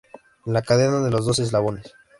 La Cadena de los Doce Eslabones.